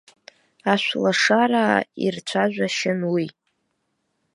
Ашәлашараа ирцәажәашьан уи.